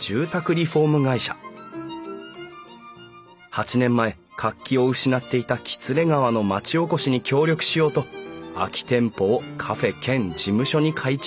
８年前活気を失っていた喜連川の町おこしに協力しようと空き店舗をカフェ兼事務所に改築することに。